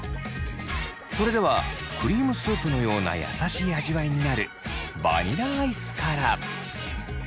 それではクリームスープのような優しい味わいになるバニラアイスから。